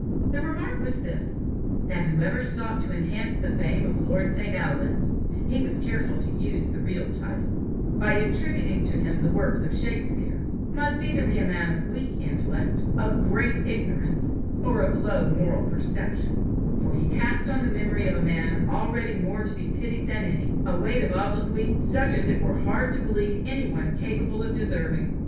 The remark was this that whoever sought to enhance the fame of lord St. Alban's he was careful to use the real title by attributing to him the works of Shakespeare, must either be a man of weak intellect, of great ignorance, or of low moral perception; for he cast on the memory of a man already more to be pitied than any, a weight of obloquy such as it were hard to believe anyone capable of deserving.